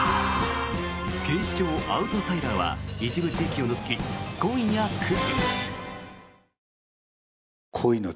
「警視庁アウトサイダー」は一部地域を除き、今夜９時。